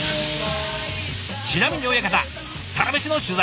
ちなみに親方「サラメシ」の取材